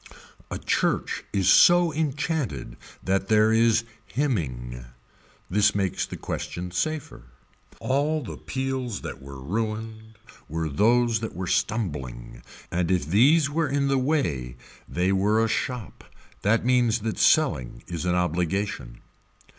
A church is so enchanted that there is hymning. This makes the question safer. All the peals that were ruined were those that were stumbling and if these were in the way they were a shop. That means that selling is an obligation.